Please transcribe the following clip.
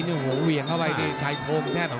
เหวี่ยงเข้าไปใช้โทมแทบลวด